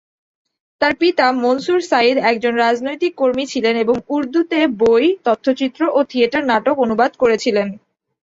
তার পিতা মনসুর সাইদ একজন রাজনৈতিক কর্মী ছিলেন এবং উর্দুতে বই, তথ্যচিত্র ও থিয়েটার নাটক অনুবাদ করেছিলেন।